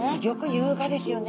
優雅ですよね。